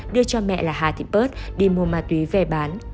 đưa cho mẹ là hà thị pơt đi mua ma túy về bán